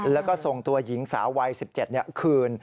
แล้วก็ส่งตัวหญิงสาววัย๑๗คืน